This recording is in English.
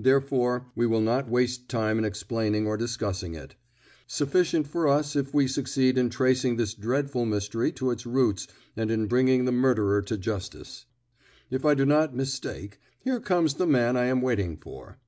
Therefore, we will not waste time in explaining or discussing it. Sufficient for us if we succeed in tracing this dreadful mystery to its roots and in bringing the murderer to justice. If I do not mistake, here comes the man I am waiting for."